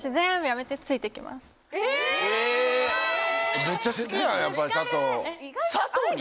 めっちゃ好きやんやっぱり佐藤佐藤に？